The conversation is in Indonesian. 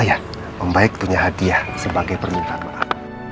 oh iya om baik punya hadiah sebagai permintaan maaf